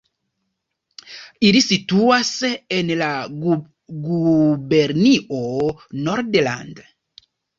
Ili situas en la gubernio Nordland.